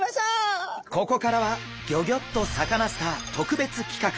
ここからは「ギョギョッとサカナ★スター」特別企画。